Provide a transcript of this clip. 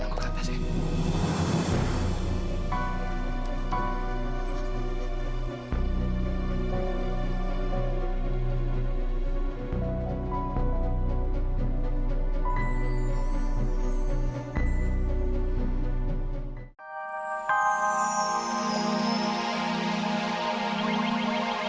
aku ke atas dulu